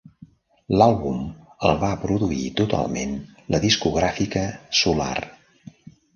L'àlbum el va produir totalment la discogràfica Solar.